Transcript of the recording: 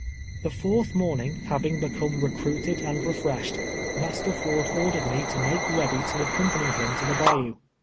The fourth morning, having become recruited and refreshed, ]\Iaster Ford ordered me to malvC ready to accompany him to the bayou.